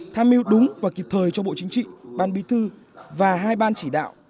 tham mưu đúng và kịp thời cho bộ chính trị ban bí thư và hai ban chỉ đạo